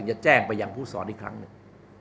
จะแจ้งไปยังผู้สอนอีกครั้งหนึ่ง